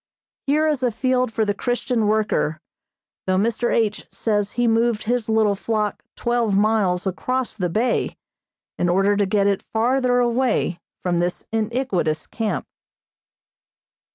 Here is a field for the Christian worker, though Mr. H. says he moved his little flock twelve miles across the bay in order to get it farther away from this iniquitous camp.